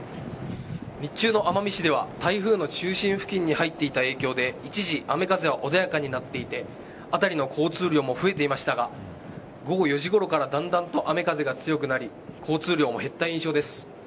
日中の奄美市では台風の中心付近に入っていた影響で一時雨風は穏やかになっていて辺りの交通量も増えていましたが午後４時ごろから、だんだんと雨風が強くなり交通量も減った印象です。